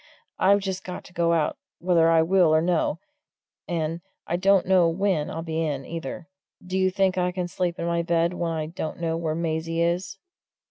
"I've just got to go out, whether I will or no, and I don't know when I'll be in, either do you think I can sleep in my bed when I don't know where Maisie is?"